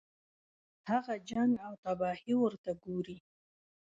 هغه جنګ او تباهي ورته ګوري.